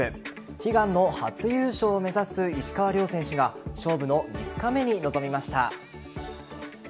悲願の初優勝を目指す石川遼選手が勝負の３日目に臨みました。